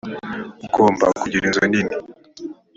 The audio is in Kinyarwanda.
ugomba kugira inzu nini.